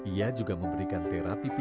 ia juga memberikan terapi